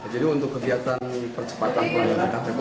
jadi untuk kegiatan percepatan bola iktp